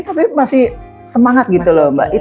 tapi masih semangat gitu loh mbak